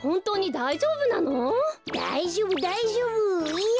だいじょうぶだいじょうぶいや